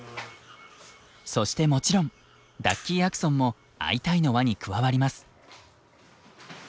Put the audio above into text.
そしてもちろんダッキーアクソンも「アイタイ！」の輪に加わります。